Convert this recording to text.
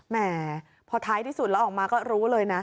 แหมพอท้ายที่สุดแล้วออกมาก็รู้เลยนะ